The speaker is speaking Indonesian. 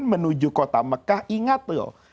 menuju kota mekah ingat loh